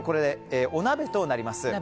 お鍋となります。